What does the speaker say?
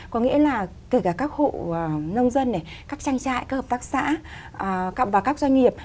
có nghĩa là kể cả các hộ nông dân này các trang trại các hợp tác xã và các doanh nghiệp